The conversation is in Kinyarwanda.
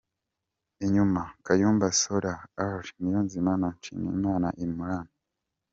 Inyuma: Kayumba Sother, Ally Niyonzima na Nshimiyimana Imran.